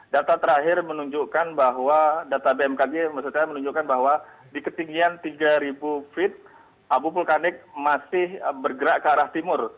data terakhir menunjukkan bahwa data bmkg menunjukkan bahwa di ketinggian tiga ribu feet abu vulkanik masih bergerak ke arah timur